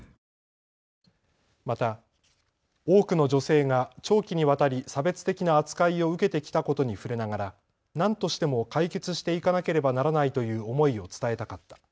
また多くの女性が長期にわたり差別的な扱いを受けてきたことに触れながら何としても解決していかなければならないという思いを伝えたかった。